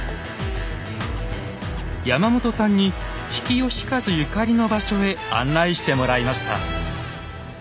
山本さんに比企能員ゆかりの場所へ案内してもらいました。